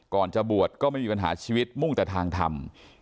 ก่อนจะบวชก็ไม่มีปัญหาชีวิตมุ่งแต่ทางทำ